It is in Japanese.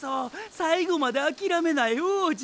最後まであきらめない王者。